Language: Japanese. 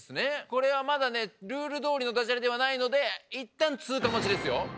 これはまだねルールどおりのダジャレではないのでいったんつうかまちですよ。